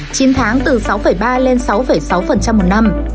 chín tháng từ sáu ba lên sáu sáu một năm